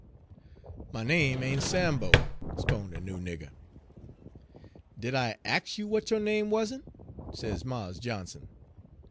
" 'My name ain' Sambo,' 'spon' de noo nigger. " 'Did I ax you w'at yo' name wa'n't?' sez Mars Johnson.